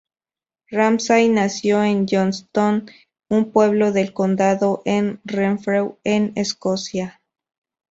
Ramsay nació en Johnstone, un pueblo del Condado de Renfrew en Escocia.